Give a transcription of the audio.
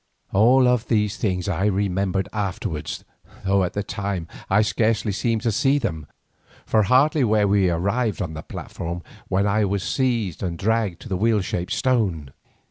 All these things I remembered afterwards, though at the time I scarcely seemed to see them, for hardly were we arrived on the platform when I was seized and dragged to the wheel shaped stone.